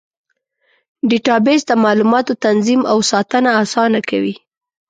ډیټابیس د معلوماتو تنظیم او ساتنه اسانه کوي.